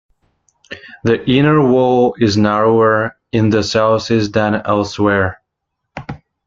The inner wall is narrower in the southeast than elsewhere.